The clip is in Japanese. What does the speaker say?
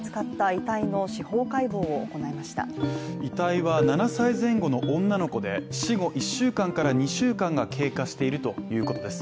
遺体は７歳前後の女の子で、死後１週間から２週間が経過しているということです。